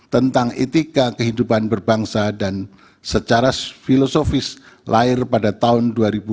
tentang etika kehidupan berbangsa dan secara filosofis lahir pada tahun dua ribu dua